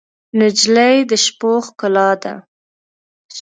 نجلۍ د شپو ښکلا ده.